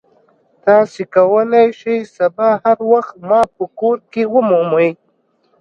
تاسو کولی شئ سبا هر وخت ما په کور کې ومومئ